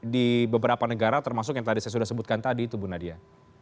di beberapa negara termasuk yang tadi saya sudah sebutkan tadi itu bu nadia